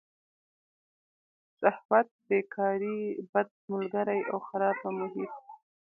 شهوت، بېکاري، بد ملګري او خرابه محیطه.